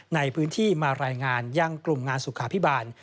ในพื้นที่มารายงานยังกลุ่มงานสุขาพิบาล